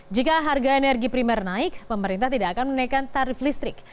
jika harga energi primer naik pemerintah tidak akan menaikkan tarif listrik